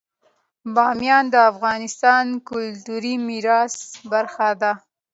بامیان د افغانستان د کلتوري میراث برخه ده.